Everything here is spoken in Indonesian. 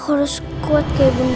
karena aku gak pamit pergi